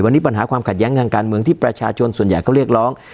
วันนี้ปัญหาความขัดแย้งทางการเมืองที่ประชาชนส่วนใหญ่เขาเรียกร้อง